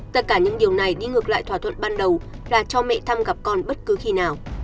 tất cả những điều này đi ngược lại thỏa thuận ban đầu là cho mẹ thăm gặp con bất cứ khi nào